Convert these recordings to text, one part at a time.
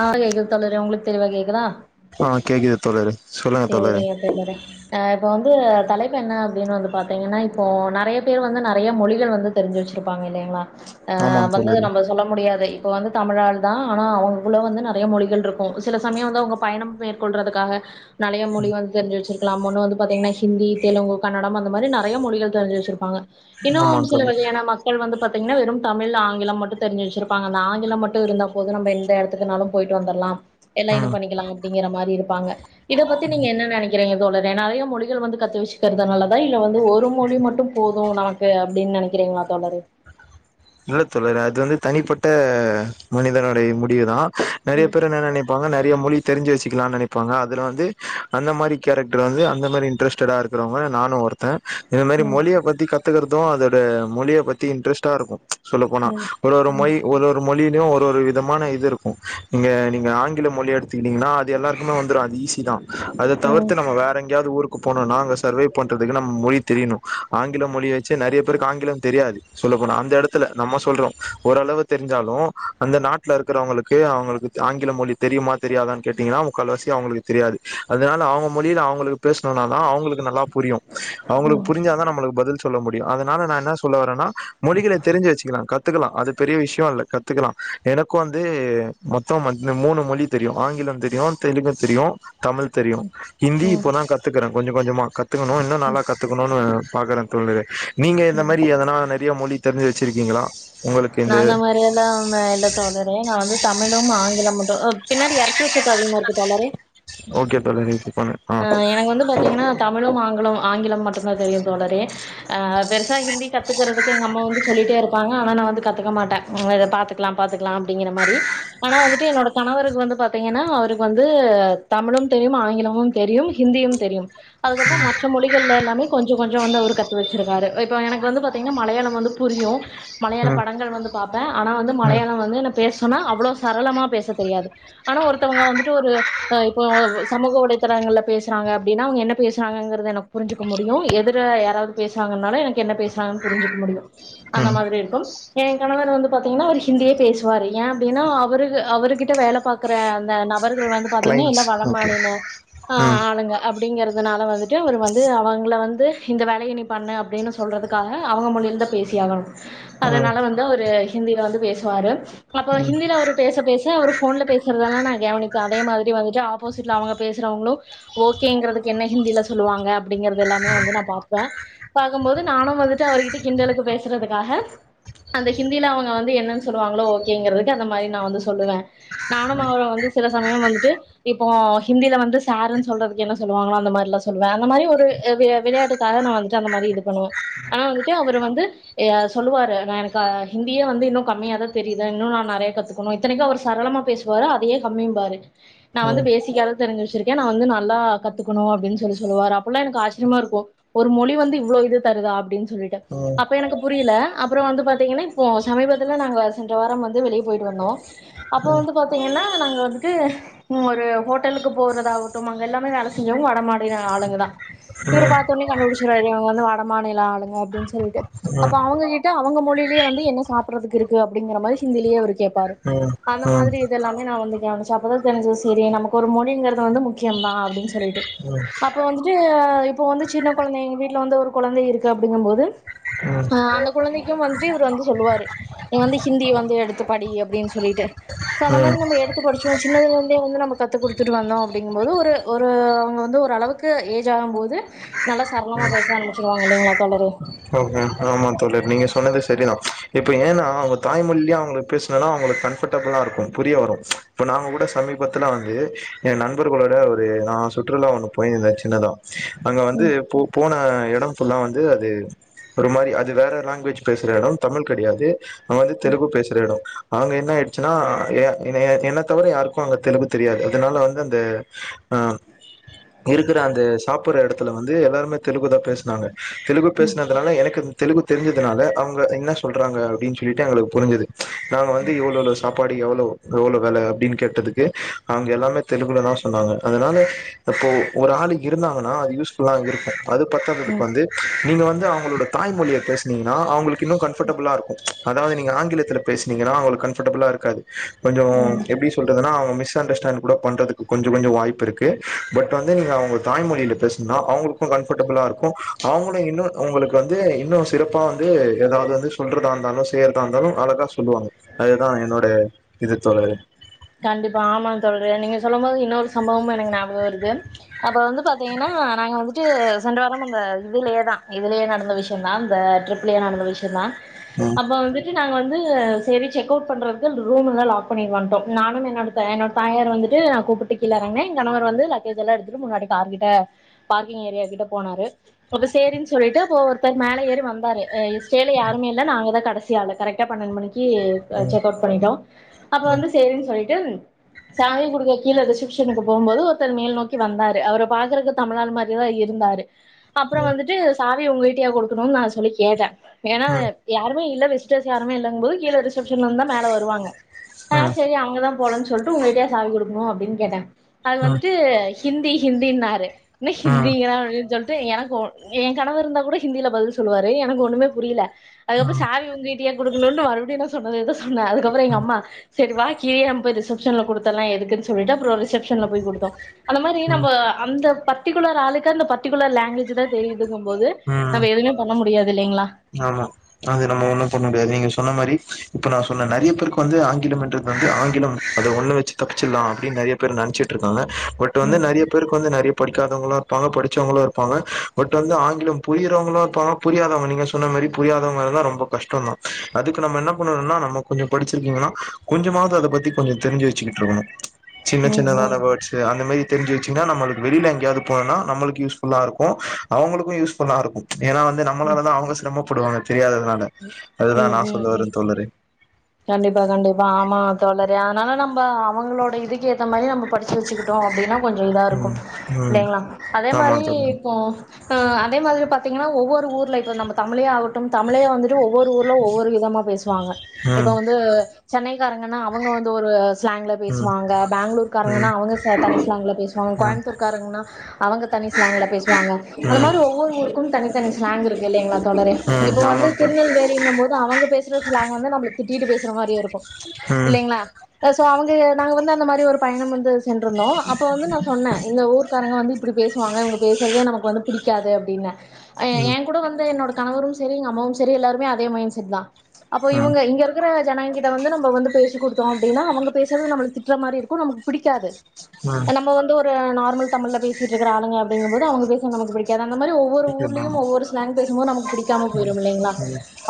ஆ கேக்குது தோழரே உங்களுக்கு தெளிவா கேக்குதா ஆ கேக்குது தோழரே சொல்லுங்க தோழரே து தலைப்பு என்ன அப்டின்னு வந்து பாத்தீங்கன்னா இப்போ நெறய பேரு வந்து நெறய மொழிகள் வந்து தெரிச்சு வச்சிருப்பாங்க இல்லைங்களா ஆமா ஆ பங்குத தோழரே நம்ம சொல்ல முடியாதே இப்ப வந்து தமிழ் நாடுதா ஆனா அவுங் அவ்ளோ வந்து நெறயா மொழிகள் இருக்கு சில சமயம் வந்து அவங்க பயணம் மேற்கொள்றதுக்காக நெறைய மொழி வந்து தெரிஞ்சு வச்சிருக்கலா ஒன்னு வந்து பாத்தீங்கன்னா ஹிந்தி தெலுங்கு கன்னடம் அந்த மாரி நெறயா மொழிகள் தெரிஞ்சு வச்சுருப்பாங்க இன்னு ஆமா சில தோழரே வகையான மக்கள் வந்து பத் தீங்னா வெறும் தமிழ் ஆங்கிலம் மட்டு தெரிஞ்சு வச்சுருப்பாங்க அந்த ஆங்கிலம் மட்டு இருந்தா போது நம் எந்த எடத் எடத்துக்குனாலு போயிட்டு வந்துர்லா எல்லா ம் இது பண்ணிக்கலா அப்டிங்கிற மாரி இருப்பாங்க இத பத்தி நீங்க என்ன நினைக்கிறீங்க தோழரே நெறயா மொழிகள் வந்து கத்து வச்சுக்கறது நல்லதா இல்ல வந்து ஒரு மொழி மட்டு போதும் நமக்கு அப்டின் நினக்கிறீங்களா தோழரே இல்ல தோழரே அது வந்து தனிப்பட்ட மனிதனுடைய முடிவு தான் நெறைய ம் பேர் என்ன நினைப்பாங்க நெறைய மொழி தெரிஞ்சு வச்சுக்லான் நினைப்பாங்க அதுல வந்து அந்த மாரி கேரக்டர் வந்து அந்த மாரி இன்ட்ரெஸ்டடா இருக்றவங்க நானு ஒருத்தன் இந்த மாரி ம் மொழிய பத்தி கத் கத்துக்கறதும் அதோட மொழிய பத்தி இன்ட்ரெஸ்ட்டா இருக்கும் சொல்ல போனா ம் ஒரு ஒரு ம் மொழி ஒரு ஒரு மொழிலயும் ஒரு ஒரு விதமான இது இருக்கும் நீங்க நீங்க ஆங்கில மொழி எடுத்துக்கிடீங்கன்னா அது எல்லாருக்குமே வந்துடும் அது ஈஸி தான் அத ம் தவிர்த்து நம்ம வேற எங்கேயாது ஊருக்கு போனுனா அங்க சர்வே பண்றதுக்கு நம்ம மொழி தெரியணு ஆங்கிலம் மொழி வச்சு நெறைய பேருக்கு ஆங்கிலம் தெரியாது சொல்ல போன அந்த எடத் நம்ம சொல்றோம் ஓர்ளவு தெரிஞ்சாலும் அந்த நாட்டுல இருக்கிறவங்களுக்கு அவங்களுக்கு ஆங்கில மொழி தெரியுமா தெரியாதான்னு கேடீங்கன்னா முக்கால்வசி அவங்களுக்கு தெரியாது அதுனால அவுங்க மொழில அவங்களுக்கு பேசுனுனா தான் அவங்களுக்கு நல்லா புரியும் அவங்களுக்கு ம் புரிஞ்சா தான் நம்மளுக்கு பதில் சொல்ல முடியும் அதுனால நா என்னா சொல்ல வரேன்னா மொழிகள வச்சிகலாம் கத்துக்கலாம் அது பெரிய விஷயம் இல்ல கத்துக்கலாம் எனக்கு வந்து மொத்தம் மூணு மொழி தெரியு ம்ஆங்கிலம் தெரியும் தெலுங்கு தெரியும் தமிழ் தெரியும் ஹிந்தி ம் இப்போதான் கத்துக்குறேன் கொஞ்ச கொஞ்சமா கத்துக்கணு இன்னு நல்ல கத்துக்கணுன் பாக்கறேன் தோழி நீங்க இந்த மாரி எதனா நெறய மொழி தெரிஞ்சி வச்சிருக்கீங்களா உங்களுக்கு நா இந்த அந்த மாரி எல்லாமே இல்ல தோழரே நான் வந்து தமிழும் ஆங்கிலமு தோ பின்னாடி எரச்சல் சத்தோ அதிகமா இருக்கு தோழரே ஓகே தோழரே இது பண்ணு ஆ எனக்கு வந்து பாத்தீங்கன்னா தமிழும் ஆங்கிலம் ஆங்கிலமு மட்டும்தா தெரியும் தோழரே ஆ பெருசா ஹிந்தி கத்துக்கறதுக்கு எங்க அம்மா வந்து சொல்லிட்டே இருப்பாங்க ஆனா நான் வந்து கத் பாக்க மாட்டே இங்க இத பாத்துக்கலா பாத்துக்கலா அப்டிங்கிற மாரி ஆனா வந்துட்டு என்னோட கணவருக்கு வந்து பாத்தீங்கன்னா அவருக்கு வந்து தமிழும் தெரியும் ஆங்கிலமும் தெரியும் ஹிந்தியும் தெரியும் அதுக்கப்புறம் மற்ற மொழிகள்ல எல்லாமே கொஞ்சம் கொஞ்சம் வந்து அவரு கத்து வச்சிருக்காரு இப்ப எனக்கு வந்து பாத்தீங்கன்னா மலயாளம் வந்து புரியும் மலயாளம் ம் படங்கள் வந்து பாப்பே ஆனா வந்து ம் மலயாளம் வந்து நா பேச சொன்னா அவ்ளோ சரளமா பேச தெரியாது ஆனா ஒருத்தவங்க வந்துட்டு ஒரு ஆ இப்போ சமூக வலைத்தளங்கள்ல பேசறாங்க அப்டின்னா அவங்க என்ன பேசறாங்ககிறது எனக்கு புரிஞ்சிக்க முடியும் எதிர யாராவது பேசறாங்கனாலு எனக்கு என்ன பேசுறாங்கன்னு புரிஞ்சிக்க முடியும் அந்த ம் மாதிரி இருக்கும் என் கணவர் வந்து பாத்தீங்கன்னா அவர் ஹிந்தியே பேசுவாரு ஏன் அப்டின்னா அவருக்கு அவரு கிட்ட வேல பாக்கற அந்த ந பர்கள் வந்து பாத்தீங்கனா கிளைண்ட்ஸ் எல்லா ஓகே வடமாநில ஆ ம் ஆளுங்க அப்டிங்கிற அதனால வந்துட்டு அவர் வந்து அவங்கள வந்து இந்த வேலைய நீ பண்ணு அப்டின்னு சொல்றதுக்காக அவங்க மொழியில தா பேசியாகணும் ம் அதனால வந்து அவரு ஹிந்தியில வந்து பேசுவாரு அப்ப ஹிந்தில அவரு பேச பேச அவரு ஃபோன்ல பேசறதெல்ல நா கவனி சோ அதே மாதிரி வந்துட்டு ஆப்போசிட்ல அவங்க பேசுறவங்களும் ஓகேங்கிறதுக்கு என்ன ஹிந்தியில சொல்லுவாங்க அப்டிங்கிறது எல்லாமே வந்து நா பாப்பே பாக்கமோது நானும் வந்துட்டு அவர்கிட்ட கிண்டலுக்கு பேசறதுக்காக அந்த ஹிந்தியில அவுங்க வந்து என்னன்னு சொல்லுவாங்களோ ஓகேங்கிறதுக்கு அந்த மாரி நா வந்து சொல்லுவே நானும் அவரு வந்து சில சமயம் வந்துட்டு இப்போ ஹிந்தியில வந்து சாருன் சொல்றதுக்கு என்ன சொல்லுவாங்களோ அந்த மாரிலா சொல்லுவே அந்த மாரி ஒரு வி விளையாட்டுக்காக நா வந்துட்டு அந்த மாரி இது பண்ணுவே ஆனா வந்துட்டு அவரு வந்து ஏ சொல்லுவாரு நா எனக் க ஹிந்தியே வந்து இன்னும் கம்மியாதா தெரியுது இன்னும் நா நெறயா கத்துக்கணும் இத்தனைக்கும் அவரு சரளமா பேசுவாரு அதையே கம்மிம்பாரு நா வந்து ம் ம் ம் பேசிக்காதா தெரிஞ்சி வச்சிருக்கே நா வந்து நல்லா கத்துக்குணும் அப்டின் சொல்லி சொல்லுவாரு அப்பெல்லாம் எனக்கு ஆச்சரியமா இருக்கும் ஒரு மொழி வந்து இவ்ளோ இது தருதா அப்டின் சொல்லிட்டு அப்ப எனக்கு புரியல அப்புறம் வந்து பாத் திங்கனா இப்ப சமீபத்துல நாங்க சென்ற வாரம் வந்து வெளியே போயிட்டு வந்தோம் அப்ப வந்து பாத்தீங்கனா நாங்க வந்து ஒரு ஹோட்டலுக்கு போறது ஆகட்டும் அங்க எல்லாமே வேல செஞ்சவங்க வட மாநில ஆளுங்கதா இவரு ம் பாத்த உடனே கண்டுபுடிச்சுருவாரு இவங்க வந்து வட மாநில ஆளுங்க அப்டின் சொல்லிட்டு அப்ப ம் அவுங்க கிட்ட அவங்க மொழி ய வந்து என்ன சாப்பறதுக்கு இருக்கு அப்டிங்கற மாரி ஹிந்திலயே அவரு கேப்பாரு அந்த மாதிரி இது எல்லாமே நா வந்து [unintelligible] அப்பதாண தெரிஞ்சது செரி நமக்கு ஒரு மொழிங்கறது வந்து முக்கியந்தான் அப்டின்னு சொல்லிட்டு அப்ப வந்துட்டு இப்ப வந்து சின்ன கொழந்தைங்க வீட்ல வந்து ஒரு கொழந்தை இருக்கு அப்டிங்கமோது ம் ம் ஆ அந்த குழந்தைக்கும் வந்துட் டு இவரு வந்து சொல்லுவாரு நீ வந்து ஹிந்தி வந்து எடுத்து படி அப்டின் சொல்லிட்டு சோ அந்த மாரி ம் நம்ம எடுத்து படிச்சோம் சின்னதுலே இருந்தே வந்து நம்ம கத்து குடுத்துட்டு வந்தோம் அப்டிங்கமோது ஒரு ஒரு அவுங்க வந்து ஒரு அளவுக்கு ஏஜ் ஆகும் போது நல்லா சரளமா பேச ஆரம்பச்சிருவாங்க இல்லைங்களா தோழரே ஓ ஆமா தோழர் நீங்க சொன்னது சரிதா இப்ப ஏன்னா அவங்க தாய்மொழியே அவங்களுக்கு பேசசனா அவங்களுக்கு கம்ஃபர்டபிளா இருக்கும் புரிய வரும் இப்ப நாங்க கூட சமீபத்துல வந்து ஏ நண்பர்களோட ஒரு நா சுற்றுலா ஒண்ணு போயிருந்தா எல்லாரு அங்க வந்து ம் போ போன எ டம் ஃபுல்லா வந்து அது ஒரு மாரி அது வேற லாங்குவேஜ் பேசற எடம் தமிழ் கடையாது அங்க வந்து தெலுகு பேசற எடம் நாங்க என்ன ஆயிடிச்சின்னா எ எ என்ன தவிர யாருக்கு அங்க தெலுங்கு தெரியாது அதனால வந்து அந்த அ இருக்கிற அந்த சாப்பற எடத்துல வந்து எல்லாருமே தெலுகுதா பேசனாங்க தெலுகு பேஸ் எனக்கு தெலுகு தெரிஞ்சதுனால அவுங்க என்ன சொல்றாங்க அப்பிடின்னு சொல்லிட்டு எங்களுக்கு புரிஞ்சது நாங்க வந்து இவ்ளோல சாப்பாடு எவ்ளோ எவ்ளோ வில அப்பிடின் கேட்டதுக்கு அவுங்க எல்லாமே தெலுகுலதா சொன்னாங்க அதனால இப்போ ஒரு ஆள் இருந்தாங்கன்னா அது யூஸ் ஃபுல்லா இருக்கு அது பத்தாததுக்கு ம் வந்து நீங்க வந் நம்ளோட தாய்மொழிய பேசுனீங்கன்னா அவுங்களுக்கு இன்னு கம்ஃபர்டபிளா இருக்கு அதாவது நீங்க ஆங்கிலத்தில பே பேசீங்கன்னா அவுங்களுக்கு கம்ஃபர்டபுளா இருக்காது கொஞ்சே ம் எப்பிடி சொல்றதுன்னா மிஸ் அண்டர்ஸ்டாண் கூட பண்றதுக்கு கொஞ்ச கொஞ்ச வாய்ப்பு இருக்கு பட் வந்து நீங்க அவுங்க தாய்மொழில பேசுனா அவுங்களுக்கு கம்பர்டபுளா இருக்கு அவுங்களு இன்னு அவுங்களுக்கு வந்து இன்னு சிறப் ப்பா வந்து ஏதாவது வந்து சொல்றதா இருந்தாலு செய்யறதா இருந்தாலு அழகா சொல்லுவாங்க அதுதா என்னுடைய இது தோழரே கண்டிப்பா ஆமா தோழரே நீங்க சொல்லு போது இன்னொரு சம்பவமு எனக்கு ஞாபக வருது அப்ப வந்து பாத்தீங்கன்னா நாங்க வந்துட்டு சென்ற வாரம் இந்த இதுலயேதா இதுலேயே நடந்த விஷயதா இந்த ட்ரிப்லயே நடந்த விஷ்யதா ம் அப்ப வந்து ட்டு நாங்க வந்து சேரி செக் அவுட் பண்றதுக்கு ரூம்லா லாக் பண்ணி வந்துட்டோ நானு என்னோட த என்னோட தாயார் வந்துட்டு நா கூப்பிட்டு கீழ எறங்கினே எ கணவர் வந்து லக்கேஜ் எல்லா எடுத்துட்டு முன்னாடி கார் கிட்ட பார்க்கிங் ஏரியா கிட்ட போனாரு அப்போ சேரின் சொல்லிட்டு இப்போ ஒருத்தர் மேல ஏறி வந்தாரு ஏ ஸ்டேல யாருமே இல்ல நாங்கதா கடசி ஆளு கரெக்டா பன்னெண்டு மணிக் கி ம் செக் அவுட் பண்ணிட்டோ அப்ப ம் வந்து போயிட்டு சாவி குடுக்க கீழ ரிசப்ஷனுக்கு போம்போது ஒருத்தர் மேல் நோக்கி வந்தாரு அவர பாக்குறக்கு தமிழால் மாரிதா இருந்தாரு அப்புறோ வந்துட்டு சா வி உங்கட்டியா குடுக்கணுன் நா சொல்லி கேட்டே ஏன்னா ம் ம் யாருமே இல் ல வெஸ்டர்ஸ் யாருமே இல்லங்கு போது கீழ ரிசப்ஷன்ல இந்தா மேல வருவாங்க ஆ ம் சேரி அவுங்கதா போலான் சொல்ட்டு உங்கட்டயா சாவி குடுக்குணு அப்பிடின் கேட்டே அது வந்துட்டு ஹிந்தி ஹிந்தின்னாரு இன்னா ம் ஹந்திங்கிறாங்க ட்டு எனக்கு ஏ கணவர் இருந்தா கூட ஹிந்தில பதில் சொல்லுவாரு எனக்கு ஒண்ணுமே புரியல அதுக்கப்புறோ சாவி உங்கிட்டயா குடுக்கணுன்ட் மறுபிடியு நா சொன்னதேதா சொன்ன அதுக்கு அப்புறோ எங்க அம்மா சேரி வா கீழியே நம்ம போய் ரிசப்ஷன்ல குடுத்தரலா எதுக்ன்னு சொல்லிட்டு அப்புறோ ரிசப் ஷன்ல போய் குடுத்தோ அந்த மாரி ம் நம்ம அந்த பத் ட்டிகுளர் ஆளுக்க அந்த பர்டிகுளர் லாங்வேஜ் ஜ் தா தெரிதுங்கு போது ம் ம் நம்ம எதுவுமே பண்ண முடியா ஆமா அது நம்ம ஒன்னு பண்ண முடியாது நீங்க சொன்ன மாரி இப்ப நா சொன்ன நெறைய பேருக்கு வந்து ஆங்கிலம் இன்றது வந்து ஆங்கிலம் அத ஒன்ன வச் தப்பிச்சிலா அப்பிடினு நெறைய பேர் ந ச்சிட்ருக்காங்க ஒரு வந்து ம் நெறைய பேருக்கு வந்து நெறைய படிக்காதவங்கள இருப்பாங்க படிச்சவங்களு இருப்பாங்க பட் வந்து ஆங்கிலம் புரியறவங்கள இருப்பாங்க புரியாதவங்க நீங்க சொ சொன்ன மாரி புரியாதவங்க இருந்தா ரொம்ப கஷ்டதா அதுக்கு நம்ம என்ன பண்ணனுனா நம்ம கொஞ்சோ படிச்சிருக்கீங்கன்னா கொஞ்சமாவது அத பத்தி கொஞ்சோ தெரிஞ்சி வச்சிக்கிட்டு இருக்கனு சின்ன ம் சின்னதான ம் வேர்ட்ஸ் அந்த மாரி தெரிஞ்சி வச் ன்னா நம்மளுக்கு வெளியில எங்கயாது போனனா நம்மளுக்கு யூஸ் ஃபுல்லா இருக்கு அவுங்களுக்கு யூஸ் ஃபுல்லா இருக்கு ஏன்னா வந்து நம்மளாலதா அவுங்க ம்மா படுவாங்கத் ம் ம் ம் தோழரே கண்டிப்பா கண்டிப்பா ஆமா தோழர் ரே அதனால நம்ம அவங்களோட இதுக்கு ஏத்த மாரி நம்ம படிச்சி வச்சுக்கிட்டோ அப்பிடின்னா கொஞ்சோ இதா இருக்கு ம் ம் இல்லைங்களா அதே ஆமா மாரி தோழர் இப்போ அ அதே மாதிரி பாத் த்திங்கன்னா ஒவ்வொரு ஊர்ல இப்ப நம்ம தமிழே ஆகு நம் தமிழ் அய்யா வந் ட்டு ஒவ்வொரு ஊர்ல ஒவ்வொரு விதமா பேசுவாங்க இப்ப ம் வந்து ச சென்னைக்காரங்கன்னா அவுங்க வந்து ஒரு ஸ்ளாங்க்ல ம் ம் பேசுவாங்க பெங்களூர் ம் காரங்கன்னா ம் அவுங்கச தனி ஸ்லாங்கள பேஸ் சுவாங்க கோயம்புத்தூர் காரங்கன்னா அவுங்க தனி ஸ்லாங்ல பேசுவாங்க அந்த மாரி ஒவ்வொரு ஊருக்கு தனித்தனி ஸ்லாங் இருக்கு இல்லைங்களா தோழரே ம் இப்போ ஆமா வந்து தோழர் திருநெல்வேலிங்க போது அவுங்க பேஸ் ற ஸ்லாங் வந்து நம்மள திட்டிட்டு பேசற மாரியே இருக்கும் ம் இல்லைங்ளா சோ அவுங் து நாங்க வந்து அந்த மாரி ஒரு பயணம் வந்து சென்றிருந்தோம் அப்ப வந்து நா சொன்னே எங்க ஊர் காரங்க வந்து இப்டி பேசுவாங்க இவுங்க பேசுறதே நமக்கு வந்து பிடிக்காதுனே ம் ஏ கூட வந்து என்னோட கணவரும் சரி எங்க அம்மாவும் செரி எல்லாருமே அதே மைண்ட் செட் தான் அப்ப ம் ம் இவுங்க இங்க இருக்குற ஜனாங்க கிட்ட வந்து நம்ம வந்து பேசு குடுத்தோம் அப்டின்னா அவுங்க பேசறது நம்மள திட்டுற மாரி இருக்கும் நமக்கு பிடிக்காது ம் நம்ம வந்து ஒரு அ நார்மல் தமிழ்ல பேசிட்டு இருக்ற ஆளுங்க அப்டிங்க போது அவுங்க பேசுனா நமக்கு பிடிக்காது அந்த மாரி ஒவ்வொரு ஊர்லயும் ஒவ்வொரு ஸ்லாங் பேசும் போது நமக்கு புடிக்காம போயிரும் இல்லங்ளா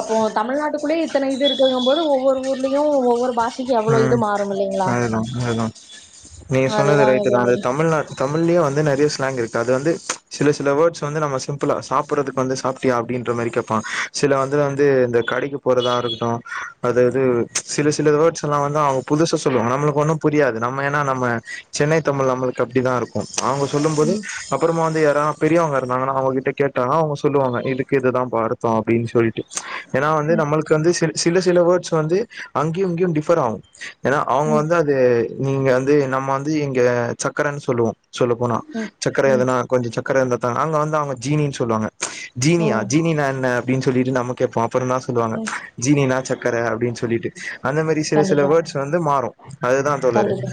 அப்போ தமிழ்நாட்டுக்குளே இத்தன இது இருக்கும் போது ஒவ்வொரு ஊர்லயும் ஒவ்வொரு பாஷ் ம் அதுதா அதுதா நீங்க சொன்னது அதுதாங்க ரைட்டு தான் அது தோழரே தமிழ்நா தமிழ்லயே வந்து நெறைய ஸ்லாங் இருக்கு அது வந்து சில சில வேர்ட்ஸ் வந்து நம்ம சிம்பிளா சாப்றதுக்கு வந்து சாப்டியா அப்டின்ற மாரி கேட்பா சில வந்து வந்து இந்த கடைக்கு போறதா இருக்கட்டும் அதாது சில சில வேர்ட்ஸ் லா வந்து அவுங்க புதுசு சொல்லுவாங்க நம்மளுக்கு ஒன்னு புரியாது நம்ம ஏன்னா நம்ம சென்னை தமிழ் நம்மளுக்கு அப்டிதாருக்கும் அவுங்க சொல்லு போது ம் அப்றமா வந்து யார் தா பெரியவுங்க இருந்தாங்கனா அவுங்ககிட்ட கேட்டா அவுங்க சொல்லுவாங்க இதுக்கு இதுதான் பா அர்த்தம் அப்டின் சொல்லிட் டு ஏன்னா வந்து ம் நம்மளுக்கு வந்து சிரு சில சில வேர்ட்ஸ் வந்து அங்கியு இங்கியு டிஃப் பராவு ஏன்னா அவுங்க ம் வந்து அது நீங்க வந்து நம்ம வந்து இங்க சக்கரனு சொல்லுவோம் சொல்ல போனா ம் சக்கர ம் எதுனா கொஞ்ச சக் கர இருந்தா தாங் அங்க வந்து அவுங்க ஜினீனு சொல்லுவாங்க ஜீனியா ம் ஜீனி நா என்ன அப்டினு சொல்லிட்டு நமக் கேப்போம் அப்புறந்தான் சொல்லுவாங்க ம் ஜீனினா சக்கரை அப்டின்னு சொல்லிட்டு அந்த மாரி சில சில கண்டிப்பா வேர்ட்ஸ் வந்து மாறும் அதுதான் தோழரே கண்டிப்பா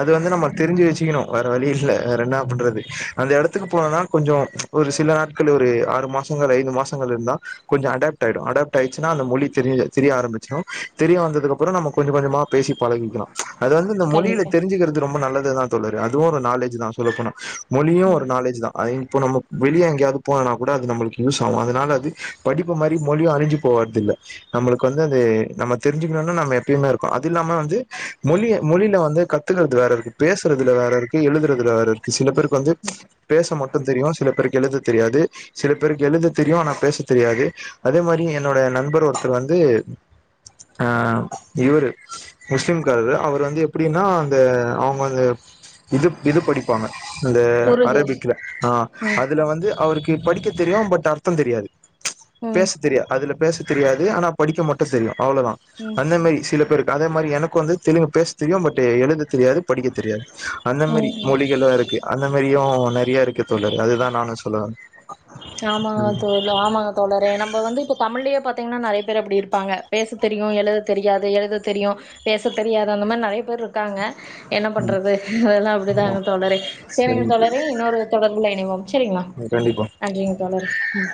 அது வந்து நம்ம தெரிஞ்சு வச் சீக்கணு வேற வழி இல்ல வேற என்ன பண்றது அந்த எடத்துக்கு போனா தா கொஞ்சோ ஒரு சில நாட்கள் ஒரு ஆறு மாசங்கள் ஐந்து மாசங்கள் இருந்தா கொஞ்சோ அடப்ட் ஆய்டு அடப்ட் ஆய்டுச்சுன்னா அந்த மொழி தெரிஞ் தெரிய ஆரம்பிச்சுரு தெரிய வந்தது கப்றோ நம்ம கொஞ்சோ கொஞ்சோமா பேசி பழகிக்கவா அது வந்து இந்த மொழிகள கண்டிப்பா தெரிஞ்சுக்குறது ரொம்ப நல்லது தான் சொல்லுது [unintelligible] அதுவு ஒரு நாலேஜ் தான் சொல்லப்போனா மொழியு ம் ஒரு நாலேஜ் தா அதயு இப்போ நம்ம வெளியே எங்கேயாவது போனனா கூட அது நம்மளுக்கு யூஸ் ஆவு அதனால அது படிப்பு மாரி மொழியு அழிஞ்சு போறதில்ல நம்மளுக்கு வந்து அது நம்ம தெரிஞ்சுக்கணும்னா நம்ம எப் எப்பியுமே இருக்கு அது இல்லாம வந்து மொழி மொழில வந்து கத்துக்றது வேற இருக்கு பேசுறதுல வேற இருக்கு எழுதுறது வேற இரு சில பேருக்கு வந்து பேச மட்டு தெரியு சில பேருக்கு எழுத தெரியாது சில பேருக்கு எழுத தெரியு ஆனா பேச தெரியாது அதே மாரி என்னோட நண்பர் ஒருத்தர் வந்து ஆ இவரு முஸ்லிம்காரரு அவர் வந்து எப்படின்னா அந்த அவுங்க அந்த இது இது படிப்பாங்க இந்த உருது அரபிக்ல ஆ ம் அதுல வந்து அவருக்கு இ படிக்க தெரியு பட் அர்த்தோ தெரியாது ம் பேச தெரியு அதுல பேச தெரியாது ஆனா படிக்க மட்டு தெரியு அவ்ளோதா ம் அந்த மாரி சில பேருக்கு அதே மாரி எனக்கு வந்து தெலுங் பேச தெரியு பட் எழுத தெரியாது படிக்க தெரியாது அந்தமாரி ம் ம் மொழிகள்லா இருக்கு அந்த மாரியு நிறைய இருக்கு தோழர் அதுதா நானு சொல்லவந்த ஆமா தோழா ஆமா தோழரே நம்ம வந்து இப்ப தமிழ்லயே பாத் பாத்தீங்கன்னா நிறைய பேர் அப்டி இருப்பாங்க பேச தெரியு எழுத தெரியாது எழுத தெரியு பேச தெரியாது அந்த மாரி நறைய பேர் இருக்காங்க என்ன பண்றது அதெல்லா ஆமா அப்படிதாங்க தோழரே செரிங்க சரிங்க தோழி தோழரே இன்னொரு தொடர்புல இணைவோ செரிங்களா கண்டிப்பா நன்றிங்க தோழரே உ